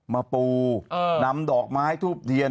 ปูนำดอกไม้ทูบเทียน